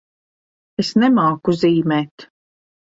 Es nemāku zīmēt.